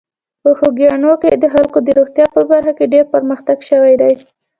په خوږیاڼي کې د خلکو د روغتیا په برخه کې ډېر پرمختګ شوی دی.